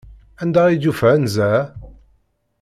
Anda ay d-yufa anza-a?